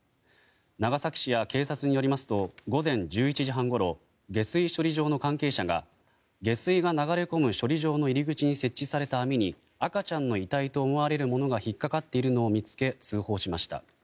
長崎市や警察によりますと午前１１時半ごろ下水処理場の関係者が下水が流れ込む処理場の入り口に設置された網に赤ちゃんの遺体と思われるものが引っかかっているのを見つけ通報しました。